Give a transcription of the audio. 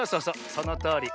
そのとおり。